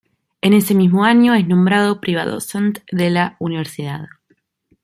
En ese mismo año es nombrado "privatdozent" de la universidad.